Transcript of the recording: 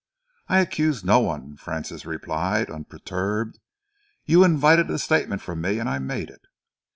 "I accuse no one," Francis replied, unperturbed. "You invited a statement from me and I made it."